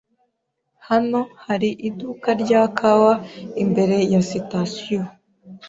Hano hari iduka rya kawa imbere ya sitasiyo.